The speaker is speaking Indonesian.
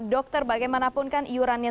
dokter bagaimanapun kan iurannya